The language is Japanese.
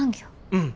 うん。